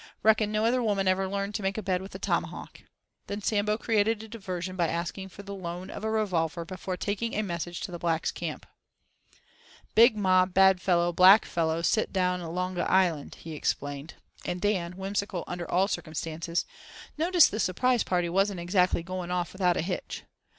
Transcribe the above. "Reckon no other woman ever learned to make a bed with a tomahawk." Then Sambo created a diversion by asking for the loan of a revolver before taking a message to the blacks' camp. "Big mob bad fellow black fellow sit down longa island," he explained; and Dan, whimsical under all circumstances, "noticed the surprise party wasn't exactly going off without a hitch."